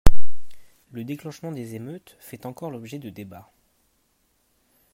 Le déclenchement des émeutes fait encore l'objet de débats.